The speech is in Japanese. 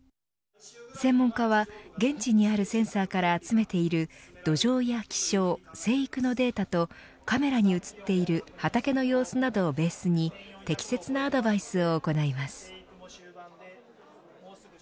専門家は現地にあるセンサーから集めている土壌や気象生育のデータとカメラに映っている畑の様子などをベースに適切なアドバイスを行います。